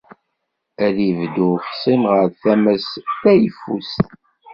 Ad ibedd uxṣim ɣer tama-s tayeffust.